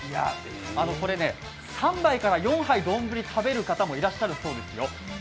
これ、３杯から４杯丼食べる方もいらっしゃるそうですよ。